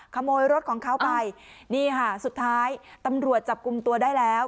ขโมยรถของเขาไปนี่ค่ะสุดท้ายตำรวจจับกลุ่มตัวได้แล้ว